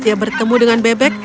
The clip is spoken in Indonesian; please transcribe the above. dia bertemu dengan bebek